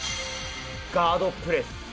ガードプレス。